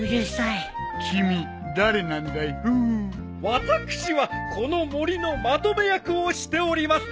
私はこの森のまとめ役をしております